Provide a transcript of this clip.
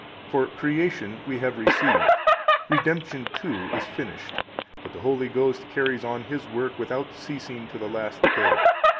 For creation we have received; redemption, too, is finished But the Holy Ghost carries on His work without ceasing to the last day.